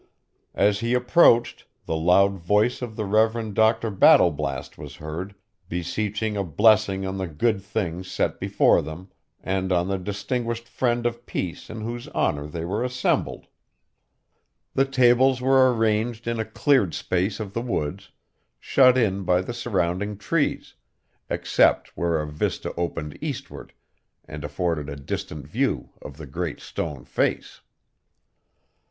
As he approached, the loud voice of the Rev. Dr. Battleblast was heard, beseeching a blessing on the good things set before them, and on the distinguished friend of peace in whose honor they were assembled. The tables were arranged in a cleared space of the woods, shut in by the surrounding trees, except where a vista opened eastward, and afforded a distant view of the Great Stone Face.